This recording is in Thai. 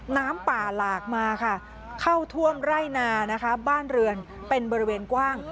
น้ำป่าหลากมาค่ะเข้าท่วมไร่นานะคะบ้านเรือนเป็นบริเวณกว้าง